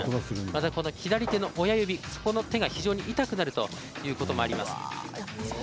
また、この左手の親指そこの手が非常に痛くなるということもあります。